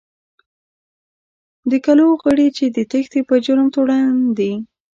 د کلو غړي چې د تېښتې په جرم تورن دي.